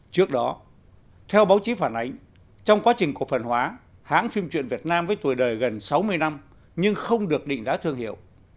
trước đó theo báo chí phản ánh trong quá trình cổ phần hóa hãng phim truyện việt nam với tuổi đời gần sáu mươi năm nhưng không được định giá thương hiệu